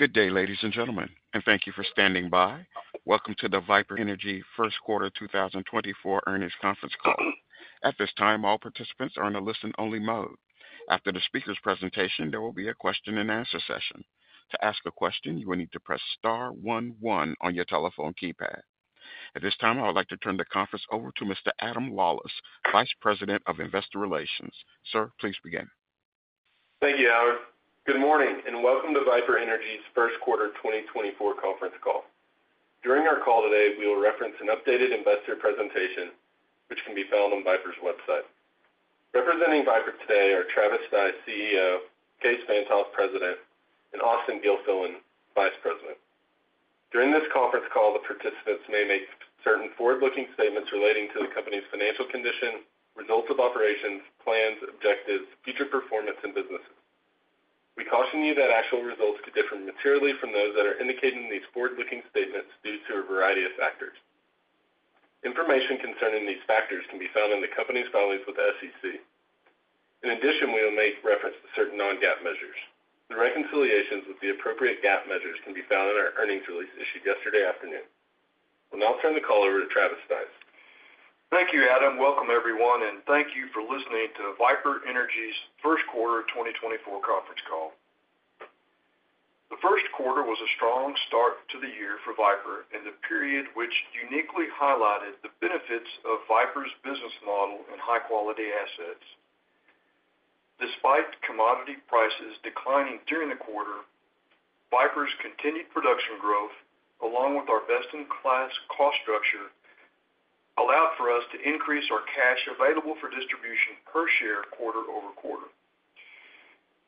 Good day, ladies and gentlemen, and thank you for standing by. Welcome to the Viper Energy Q1 2024 Earnings Conference Call. At this time, all participants are in a listen-only mode. After the speaker's presentation, there will be a Q&A session. To ask a question, you will need to press star one one on your telephone keypad. At this time, I would like to turn the conference over to Mr. Adam Lawlis, Vice President of Investor Relations. Sir, please begin. Thank you, Howard. Good morning, and welcome to Viper Energy's Q1 2024 conference call. During our call today, we will reference an updated investor presentation, which can be found on Viper's website. Representing Viper today are Travis Stice, CEO, Kaes Van't Hof, President, and Austen Gilfillian, Vice President. During this conference call, the participants may make certain forward-looking statements relating to the company's financial condition, results of operations, plans, objectives, future performance, and businesses. We caution you that actual results could differ materially from those that are indicated in these forward-looking statements due to a variety of factors. Information concerning these factors can be found in the company's filings with the SEC. In addition, we will make reference to certain non-GAAP measures. The reconciliations with the appropriate GAAP measures can be found in our earnings release issued yesterday afternoon. I'll now turn the call over to Travis Stice. Thank you, Adam. Welcome, everyone, and thank you for listening to Viper Energy's Q1 2024 conference call. The Q1 was a strong start to the year for Viper, and the period which uniquely highlighted the benefits of Viper's business model and high-quality assets. Despite commodity prices declining during the quarter, Viper's continued production growth, along with our best-in-class cost structure, allowed for us to increase our cash available for distribution per share quarter over quarter.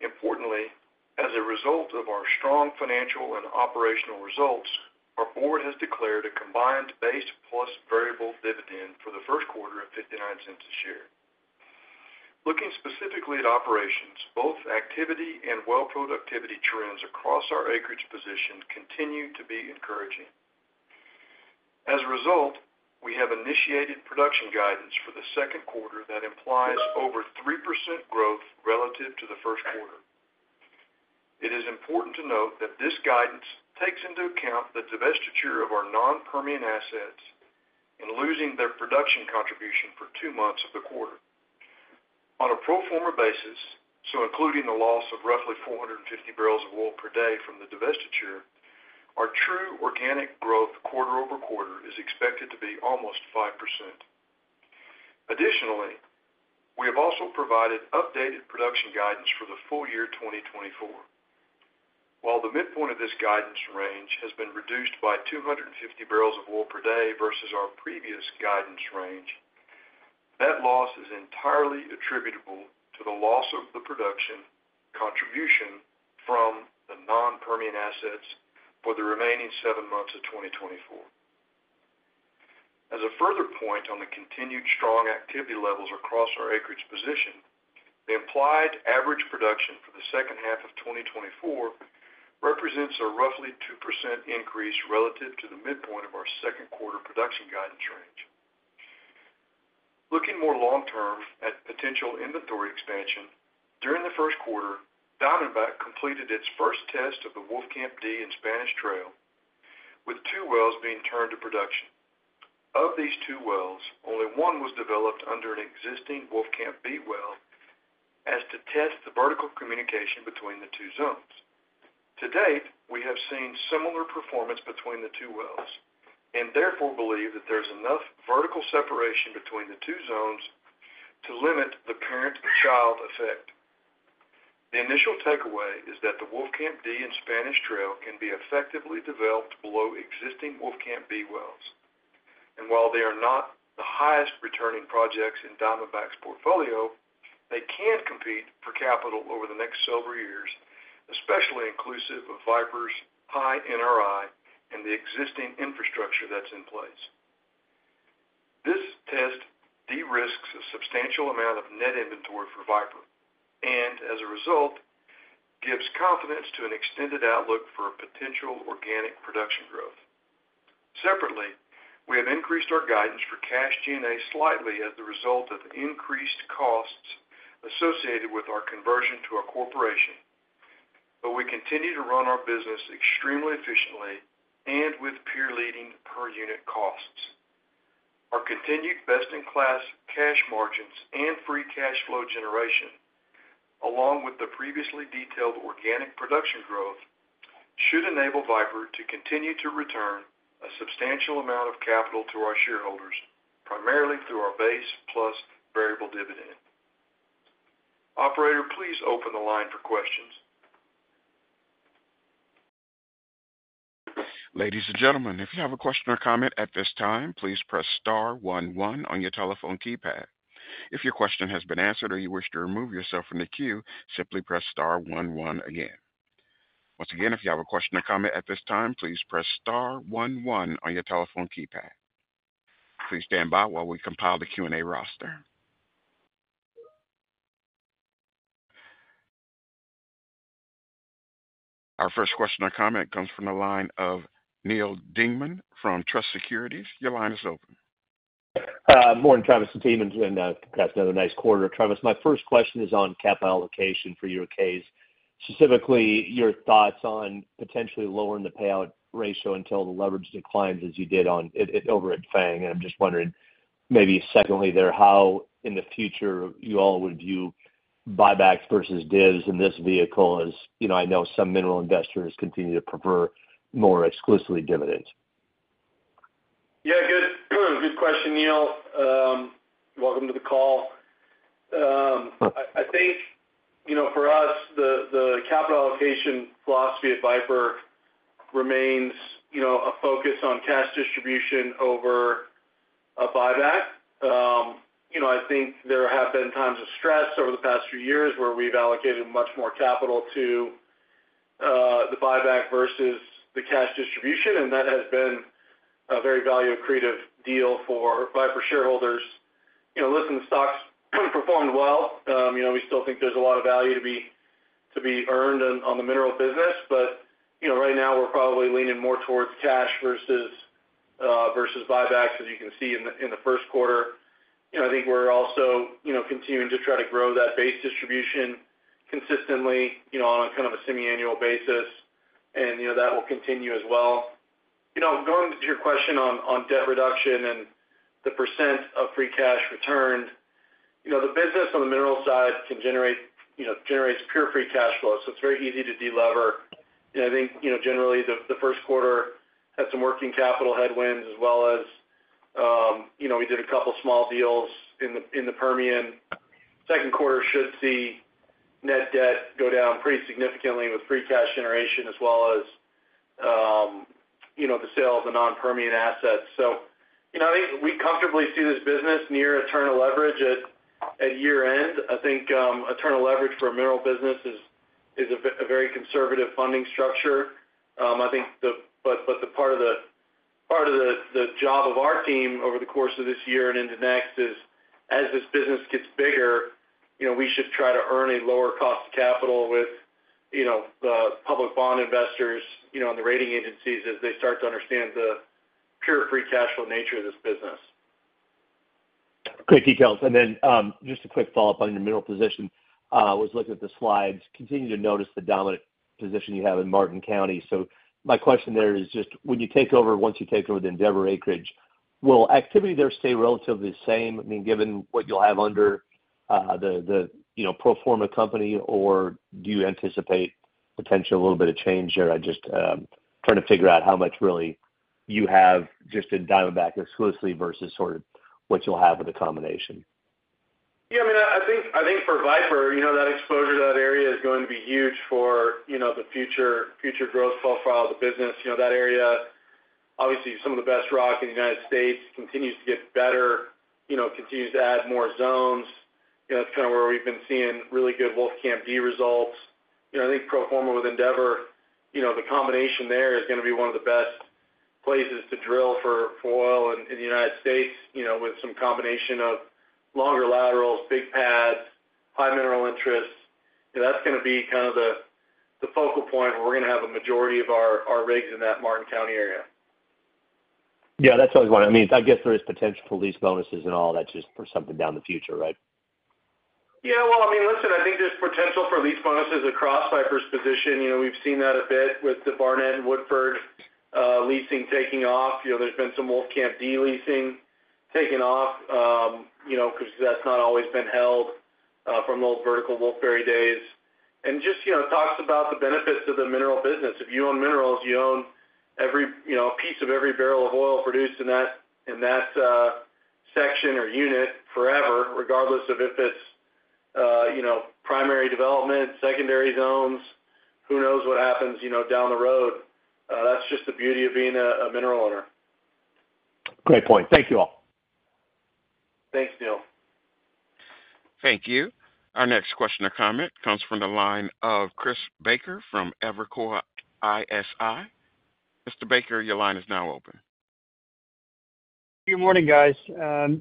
Importantly, as a result of our strong financial and operational results, our board has declared a combined base plus variable dividend for the Q1 of $0.59 a share. Looking specifically at operations, both activity and well productivity trends across our acreage position continue to be encouraging. As a result, we have initiated production guidance for the Q2 that implies over 3% growth relative to the Q1. It is important to note that this guidance takes into account the divestiture of our non-Permian assets and losing their production contribution for two months of the quarter. On a pro forma basis, so including the loss of roughly 450 barrels of oil per day from the divestiture, our true organic growth quarter-over-quarter is expected to be almost 5%. Additionally, we have also provided updated production guidance for the full year 2024. While the midpoint of this guidance range has been reduced by 250 barrels of oil per day versus our previous guidance range, that loss is entirely attributable to the loss of the production contribution from the non-Permian assets for the remaining seven months of 2024. As a further point on the continued strong activity levels across our acreage position, the implied average production for the second half of 2024 represents a roughly 2% increase relative to the midpoint of our Q2 production guidance range. Looking more long term at potential inventory expansion, during the Q1, Diamondback completed its first test of the Wolfcamp D in Spanish Trail, with two wells being turned to production. Of these two wells, only 1 was developed under an existing Wolfcamp B well as to test the vertical communication between the two zones. To date, we have seen similar performance between the two wells and therefore believe that there's enough vertical separation between the two zones to limit the parent-to-child effect. The initial takeaway is that the Wolfcamp D and Spanish Trail can be effectively developed below existing Wolfcamp B wells. While they are not the highest returning projects in Diamondback's portfolio, they can compete for capital over the next several years, especially inclusive of Viper's high NRI and the existing infrastructure that's in place. This test de-risks a substantial amount of net inventory for Viper and, as a result, gives confidence to an extended outlook for potential organic production growth. Separately, we have increased our guidance for Cash G&A slightly as the result of increased costs associated with our conversion to a corporation, but we continue to run our business extremely efficiently and with peer-leading per-unit costs. Our continued best-in-class cash margins and free cash flow generation, along with the previously detailed organic production growth, should enable Viper to continue to return a substantial amount of capital to our shareholders, primarily through our base plus variable dividend. Operator, please open the line for questions. Ladies and gentlemen, if you have a question or comment at this time, please press star one one on your telephone keypad. If your question has been answered or you wish to remove yourself from the queue, simply press star one one again. Once again, if you have a question or comment at this time, please press star one one on your telephone keypad. Please stand by while we compile the Q&A roster. Our first question or comment comes from the line of Neal Dingmann from Truist Securities. Your line is open. Morning, Travis and team, and congrats on another nice quarter. Travis, my first question is on capital allocation for your case, specifically your thoughts on potentially lowering the payout ratio until the leverage declines as you did over at FANG. I'm just wondering, maybe secondly there, how in the future you all would view buybacks versus divs in this vehicle, as you know, I know some mineral investors continue to prefer more exclusively dividends. Yeah, good question, Neil. Welcome to the call. I think, you know, for us, the capital allocation philosophy at Viper remains, you know, a focus on cash distribution over a buyback. You know, I think there have been times of stress over the past few years where we've allocated much more capital to the buyback versus the cash distribution, and that has been a very value accretive deal for Viper shareholders. You know, listen, the stock's performed well. You know, we still think there's a lot of value to be earned on the mineral business, but, you know, right now, we're probably leaning more towards cash versus buybacks, as you can see in the Q1. You know, I think we're also, you know, continuing to try to grow that base distribution consistently, you know, on a kind of a semiannual basis, and, you know, that will continue as well. You know, going to your question on, on debt reduction and the percent of free cash returned, you know, the business on the mineral side can generate, you know, generates pure free cash flow, so it's very easy to delever. And I think, you know, generally, the, the Q1 had some working capital headwinds, as well as, you know, we did a couple small deals in the, in the Permian. Q2 should see net debt go down pretty significantly with free cash generation, as well as, you know, the sale of the non-Permian assets. So, you know, I think we comfortably see this business near net zero leverage at, at year-end. I think eternal leverage for a mineral business is a very conservative funding structure. I think but the part of the job of our team over the course of this year and into next is, as this business gets bigger, you know, we should try to earn a lower cost of capital with, you know, the public bond investors, you know, and the rating agencies as they start to understand the pure free cash flow nature of this business. Great details. Then, just a quick follow-up on your mineral position. I was looking at the slides, continue to notice the dominant position you have in Martin County. So my question there is just when you take over, once you take over the Endeavor acreage, will activity there stay relatively the same? I mean, given what you'll have under the, you know, pro-forma company, or do you anticipate potentially a little bit of change there? I just trying to figure out how much really you have just in Diamondback exclusively versus sort of what you'll have with the combination. Yeah, I mean, I think for Viper, you know, that exposure to that area is going to be huge for, you know, the future growth profile of the business. You know, that area, obviously some of the best rock in the United States, continues to get better, you know, continues to add more zones. You know, that's kind of where we've been seeing really good Wolfcamp D results. You know, I think pro-forma with Endeavor, you know, the combination there is gonna be one of the best places to drill for oil in the United States, you know, with some combination of longer laterals, big pads, high mineral interests. You know, that's gonna be kind of the focal point where we're gonna have a majority of our rigs in that Martin County area. Yeah, that's what I was wondering. I mean, I guess there is potential for lease bonuses and all that, just for something down the future, right? Yeah, well, I mean, listen, I think there's potential for lease bonuses across Viper's position. You know, we've seen that a bit with the Barnett and Woodford, leasing taking off. You know, there's been some Wolfcamp D leasing taking off, you know, because that's not always been held, from the old vertical Wolfberry days. And just, you know, it talks about the benefits of the mineral business. If you own minerals, you own every, you know, a piece of every barrel of oil produced in that, in that, section or unit forever, regardless of if it's, you know, primary development, secondary zones. Who knows what happens, you know, down the road? That's just the beauty of being a mineral owner. Great point. Thank you all. Thanks, Neil. Thank you. Our next question or comment comes from the line of Chris Baker from Evercore ISI. Mr. Baker, your line is now open. Good morning, guys.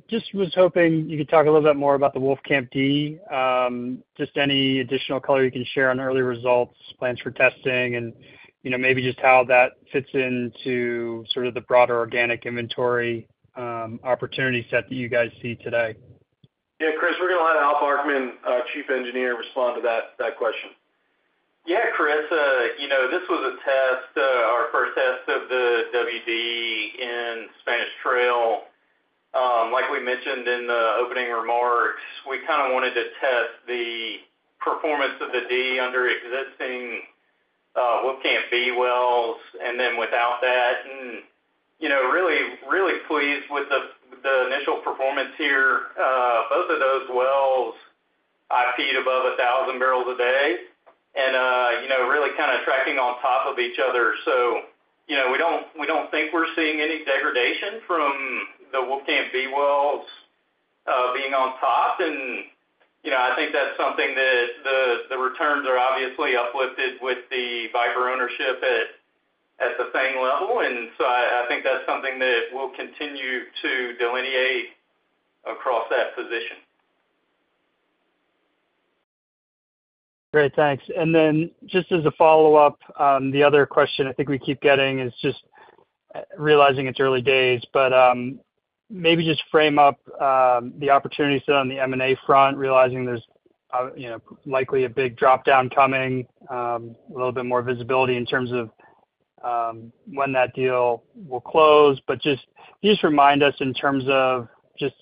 Just was hoping you could talk a little bit more about the Wolfcamp D. Just any additional color you can share on early results, plans for testing, and, you know, maybe just how that fits into sort of the broader organic inventory, opportunity set that you guys see today. Yeah, Chris, we're gonna let Al Barkmann, our Chief Engineer, respond to that question. Yeah, Chris, you know, this was a test, our first test of the WD in Spanish Trail. Like we mentioned in the opening remarks, we kinda wanted to test the performance of the D under existing Wolfcamp B wells, and then without that. And, you know, really pleased with the initial performance here. Both of those wells, IP'd above 1,000 barrels a day, and, you know, really kind of tracking on top of each other. So, you know, we don't think we're seeing any degradation from the Wolfcamp B wells, being on top. And, you know, I think that's something that the returns are obviously uplifted with the Viper ownership at the same level. And so I think that's something that we'll continue to delineate across that position. Great, thanks. And then just as a follow-up, the other question I think we keep getting is just, realizing it's early days, but, maybe just frame up, the opportunity set on the M&A front, realizing there's, you know, likely a big drop-down coming, a little bit more visibility in terms of, when that deal will close. But just, can you just remind us in terms of just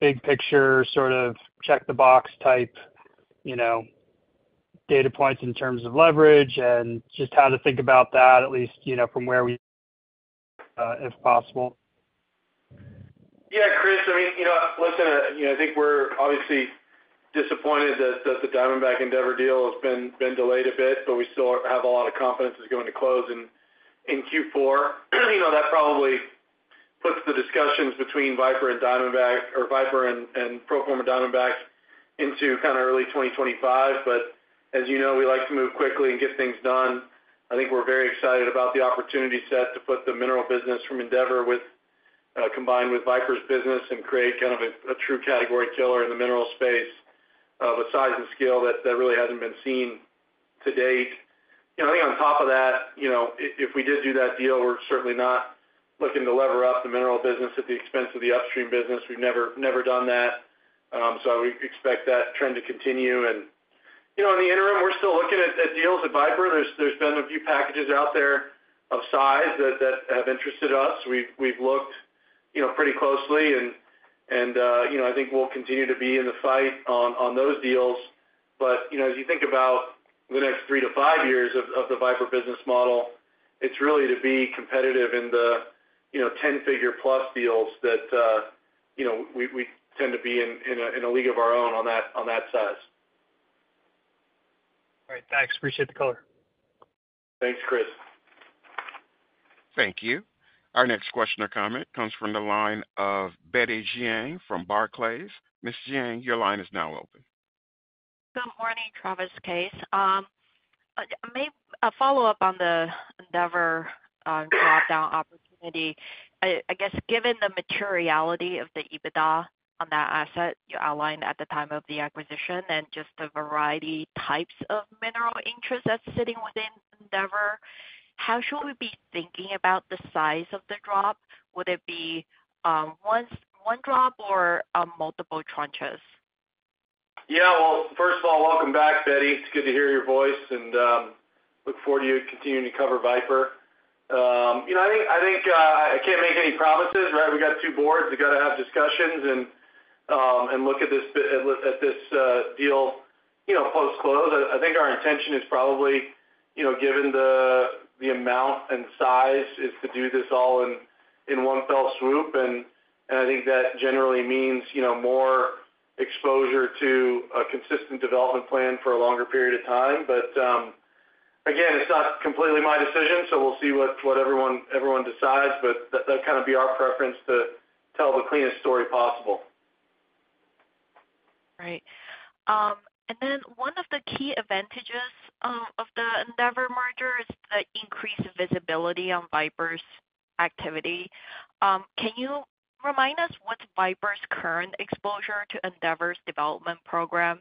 big picture, sort of check the box type, you know, data points in terms of leverage and just how to think about that, at least, you know, from where we, if possible? Yeah, Chris, I mean, you know, listen, you know, I think we're obviously disappointed that the Diamondback Endeavor deal has been delayed a bit, but we still have a lot of confidence it's going to close in Q4. You know, that probably puts the discussions between Viper and Diamondback or Viper and pro-forma Diamondback into kind of early 2025. But as you know, we like to move quickly and get things done. I think we're very excited about the opportunity set to put the mineral business from Endeavor with combined with Viper's business and create kind of a true category killer in the mineral space with size and scale that really hasn't been seen to date. You know, I think on top of that, you know, if we did do that deal, we're certainly not looking to lever up the mineral business at the expense of the upstream business. We've never done that. So we expect that trend to continue. And, you know, in the interim, we're still looking at deals at Viper. There's been a few packages out there of size that have interested us. We've looked, you know, pretty closely and, you know, I think we'll continue to be in the fight on those deals. But, you know, as you think about the next three to five years of the Viper business model, it's really to be competitive in the, you know, 10-figure plus deals that, you know, we tend to be in, in a league of our own on that size. All right, thanks. Appreciate the color. Thanks, Chris. Thank you. Our next question or comment comes from the line of Betty Jiang from Barclays. Ms. Jiang, your line is now open. Good morning, Travis Stice. May I follow up on the Endeavor drop-down opportunity. I guess given the materiality of the EBITDA on that asset you outlined at the time of the acquisition and just the variety types of mineral interests that's sitting within Endeavor, how should we be thinking about the size of the drop? Would it be one drop or multiple tranches? Yeah. Well, first of all, welcome back, Betty. It's good to hear your voice and look forward to you continuing to cover Viper. You know, I think I can't make any promises, right? We got two boards. We got to have discussions and look at this deal, you know, post-close. I think our intention is probably, you know, given the amount and size, to do this all in one fell swoop. And I think that generally means, you know, more exposure to a consistent development plan for a longer period of time. But again, it's not completely my decision, so we'll see what everyone decides, but that kind of be our preference to tell the cleanest story possible. Right. And then one of the key advantages of the Endeavor merger is the increased visibility on Viper's activity. Can you remind us what's Viper's current exposure to Endeavor's development program,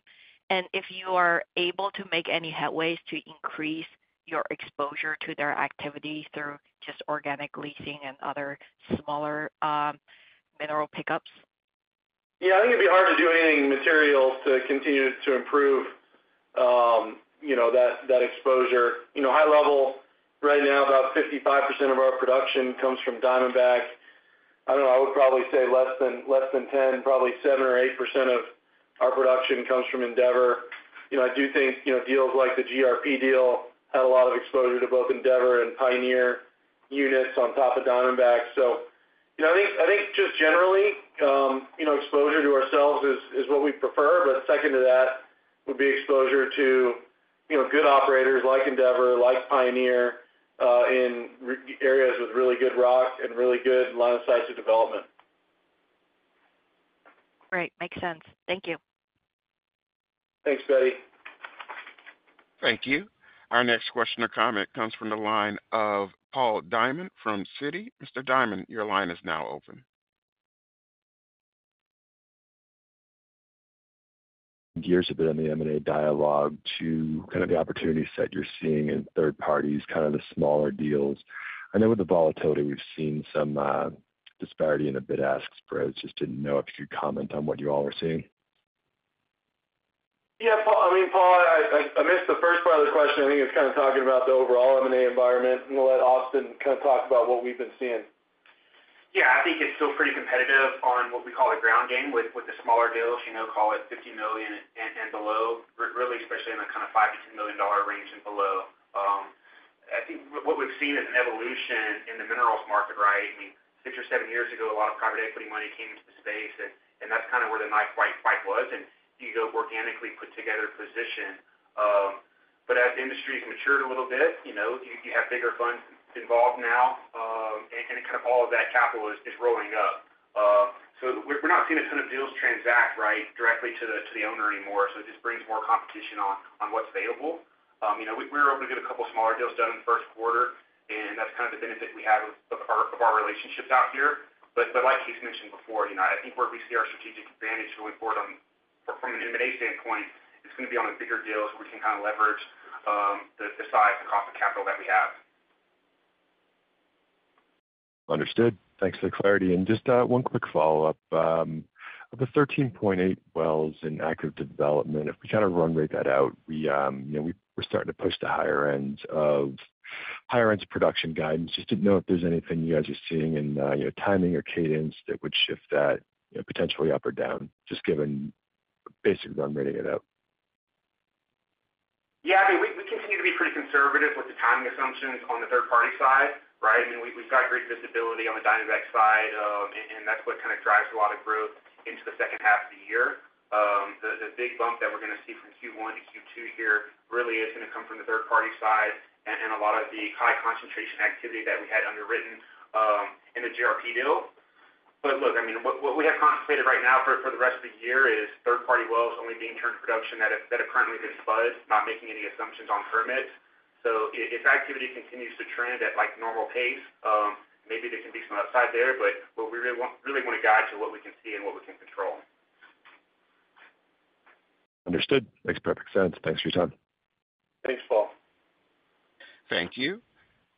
and if you are able to make any headways to increase your exposure to their activity through just organic leasing and other smaller, mineral pickups? Yeah, I think it'd be hard to do anything material to continue to improve, you know, that exposure. You know, high level, right now, about 55% of our production comes from Diamondback. I don't know, I would probably say less than 10, probably 7% or 8% of our production comes from Endeavor. You know, I do think, you know, deals like the GRP deal had a lot of exposure to both Endeavor and Pioneer units on top of Diamondback. So, you know, I think just generally, you know, exposure to ourselves is what we prefer, but second to that would be exposure to, you know, good operators like Endeavor, like Pioneer, in areas with really good rock and really good line of sight to development. Great. Makes sense. Thank you. Thanks, Betty. Thank you. Our next question or comment comes from the line of Paul Diamond from Citi. Mr. Diamond, your line is now open. Gears a bit in the M&A dialogue to kind of the opportunity set you're seeing in third parties, kind of the smaller deals. I know with the volatility, we've seen some disparity in the bid-ask spreads. Just didn't know if you could comment on what you all are seeing? Yeah, Paul. I mean, Paul, I missed the first part of the question. I think it's kind of talking about the overall M&A environment, and I'll let Austin kind of talk about what we've been seeing. Yeah, I think it's still pretty competitive on what we call the ground game, with the smaller deals, you know, call it $50 million and below, really, especially in the kind of $5 million-$10 million range and below. I think what we've seen is an evolution in the minerals market, right? I mean, six or seven years ago, a lot of private equity money came into the space, and that's kind of where the knife fight was, and you go organically put together a position. But as the industry has matured a little bit, you know, you have bigger funds involved now, and kind of all of that capital is rolling up. So we're not seeing a ton of deals transact, right, directly to the owner anymore, so it just brings more competition on what's available. You know, we were able to get a couple of smaller deals done in the Q1, and that's kind of the benefit we have of our relationships out here. But like he's mentioned before, you know, I think where we see our strategic advantage going forward from an M&A standpoint, it's gonna be on the bigger deals, where we can kind of leverage the size and cost of capital that we have. Understood. Thanks for the clarity. Just one quick follow-up. Of the 13.8 wells in active development, if we try to run-rate that out, you know, we're starting to push the higher ends of production guidance. Just didn't know if there's anything you guys are seeing in, you know, timing or cadence that would shift that, you know, potentially up or down, just given basically running it out. Yeah, I mean, we continue to be pretty conservative with the timing assumptions on the third-party side, right? I mean, we've got great visibility on the Diamondback side, and that's what kind of drives a lot of growth into the second half of the year. The big bump that we're gonna see from Q1 to Q2 here really is gonna come from the third-party side and a lot of the high concentration activity that we had underwritten in the GRP deal. But look, I mean, what we have contemplated right now for the rest of the year is third-party wells only being turned production that have currently been spud, not making any assumptions on permits. So if activity continues to trend at, like, normal pace, maybe there can be some upside there, but what we really want to guide to what we can see and what we can control. Understood. Makes perfect sense. Thanks for your time. Thanks, Paul. Thank you.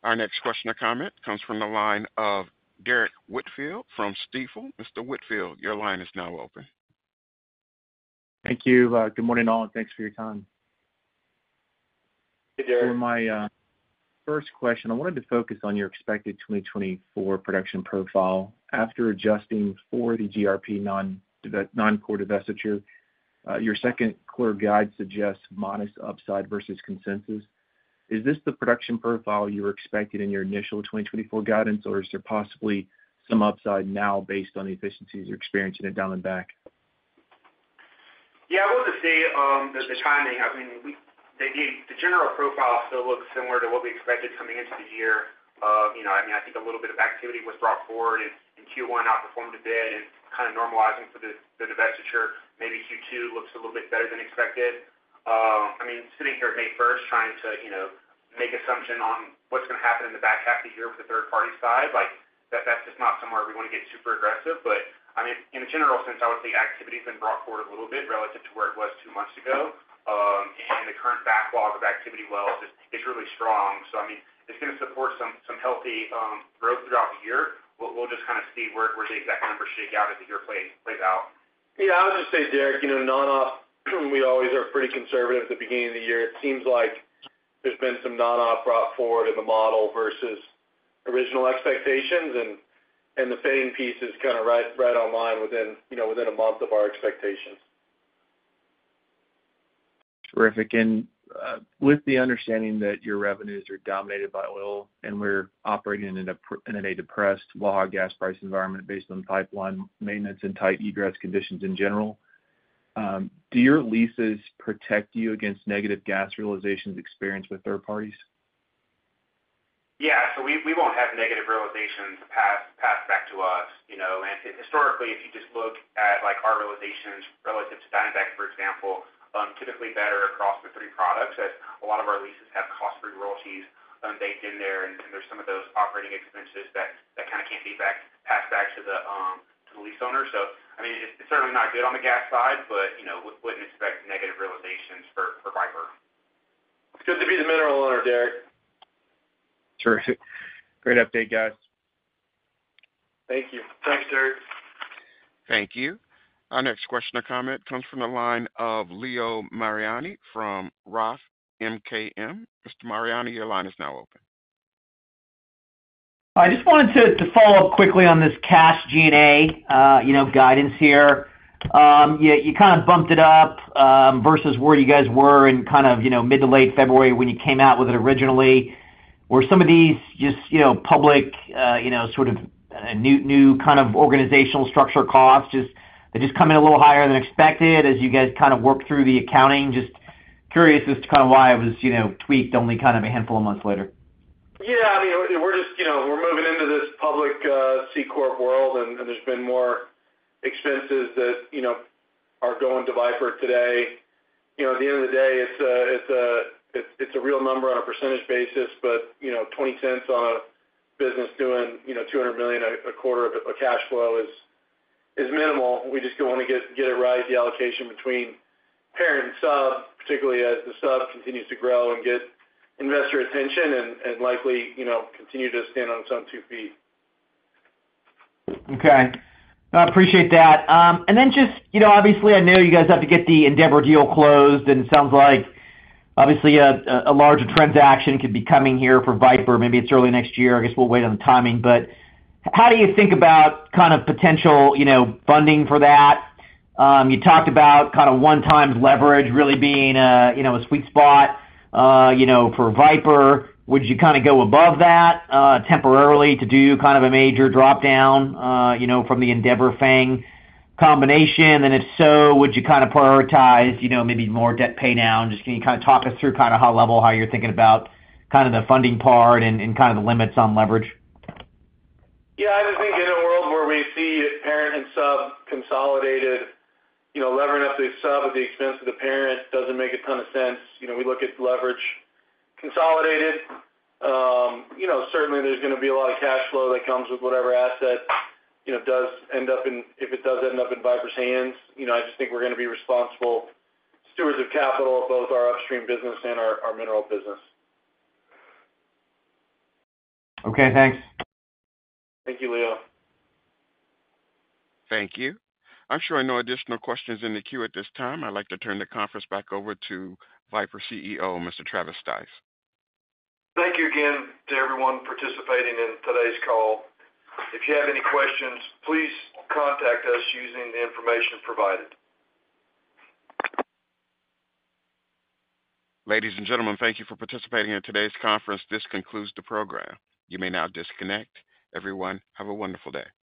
Our next question or comment comes from the line of Derek Whitfield from Stifel. Mr. Whitfield, your line is now open. Thank you. Good morning, all, and thanks for your time. Hey, Derek. For my first question, I wanted to focus on your expected 2024 production profile. After adjusting for the GRP non-core divestiture, your Q2 guide suggests modest upside versus consensus. Is this the production profile you were expecting in your initial 2024 guidance, or is there possibly some upside now based on the efficiencies you're experiencing at Diamondback? Yeah, I would just say, the timing, I mean, the general profile still looks similar to what we expected coming into the year. You know, I mean, I think a little bit of activity was brought forward, and Q1 outperformed a bit and kind of normalizing for the divestiture, maybe Q2 looks a little bit better than expected. I mean, sitting here at May first, trying to, you know, make assumption on what's gonna happen in the back half of the year with the third-party side, like, that's just not somewhere we want to get super aggressive. But I mean, in a general sense, I would say activity has been brought forward a little bit relative to where it was two months ago. And the current backlog of activity wells is really strong. So, I mean, it's gonna support some healthy growth throughout the year. We'll just kind of see where the exact numbers shake out as the year plays out. Yeah, I would just say, Derek, you know, non-op, we always are pretty conservative at the beginning of the year. It seems like there's been some non-op brought forward in the model versus original expectations, and the same piece is kind of right, right on line within, you know, within a month of our expectations. Terrific. With the understanding that your revenues are dominated by oil, and we're operating in a depressed, low gas price environment based on pipeline maintenance and tight egress conditions in general, do your leases protect you against negative gas realizations experienced with third parties? Yeah. So we won't have negative realizations passed back to us, you know. And historically, if you just look at, like, our realizations relative to Diamondback, for example, typically better across the three products, as a lot of our leases have cost-free royalties baked in there, and there's some of those operating expenses that kind of can't be passed back to the lease owner. So, I mean, it's certainly not good on the gas side, but, you know, we wouldn't expect negative realizations for Viper. It's good to be the mineral owner, Derek. Terrific. Great update, guys. Thank you. Thanks, Derek. Thank you. Our next question or comment comes from the line of Leo Mariani from Roth MKM. Mr. Mariani, your line is now open. I just wanted to follow up quickly on this cash G&A, you know, guidance here. You kind of bumped it up versus where you guys were in kind of, you know, mid to late February when you came out with it originally. Were some of these just, you know, public, you know, sort of new kind of organizational structure costs just - they just come in a little higher than expected as you guys kind of work through the accounting? Just curious as to kind of why it was, you know, tweaked only kind of a handful of months later. Yeah, I mean, we're just, you know, we're moving into this public C-Corp world, and there's been more expenses that, you know, are going to Viper today. You know, at the end of the day, it's a real number on a percentage basis, but, you know, $0.20 on a business doing, you know, $200 million a quarter of cash flow is minimal. We just want to get it right, the allocation between parent and sub, particularly as the sub continues to grow and get investor attention and likely, you know, continue to stand on its own two feet. Okay. I appreciate that. And then just, you know, obviously, I know you guys have to get the Endeavor deal closed, and it sounds like obviously a larger transaction could be coming here for Viper. Maybe it's early next year. I guess we'll wait on the timing. But how do you think about kind of potential, you know, funding for that? You talked about kind of 1.0x leverage really being, you know, a sweet spot, you know, for Viper. Would you kind of go above that temporarily to do kind of a major drop down, you know, from the Endeavor Fang combination? And if so, would you kind of prioritize, you know, maybe more debt paydown? Just can you kind of talk us through kind of the high level, how you're thinking about kind of the funding part and kind of the limits on leverage? Yeah, I just think in a world where we see parent and sub consolidated, you know, levering up the sub at the expense of the parent doesn't make a ton of sense. You know, we look at leverage consolidated. You know, certainly there's gonna be a lot of cash flow that comes with whatever asset, you know, does end up in - if it does end up in Viper's hands. You know, I just think we're gonna be responsible stewards of capital, both our upstream business and our, our mineral business. Okay, thanks. Thank you, Leo. Thank you. I'm showing no additional questions in the queue at this time. I'd like to turn the conference back over to Viper CEO, Mr. Travis Stice. Thank you again to everyone participating in today's call. If you have any questions, please contact us using the information provided. Ladies and gentlemen, thank you for participating in today's conference. This concludes the program. You may now disconnect. Everyone, have a wonderful day.